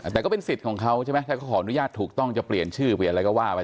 แต่ก็เป็นสิทธิ์ของเขาใช่ไหมถ้าเขาขออนุญาตถูกต้องจะเปลี่ยนชื่อเปลี่ยนอะไรก็ว่าไป